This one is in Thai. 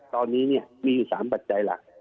ตอนนี้มี๓ปัจจัยหลัก